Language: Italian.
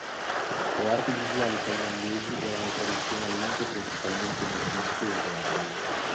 Le arti visuali thailandesi erano tradizionalmente e principalmente buddiste e reali.